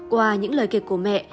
qua những lời kịch của mẹ